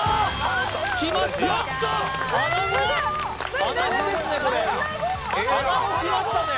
穴子きましたね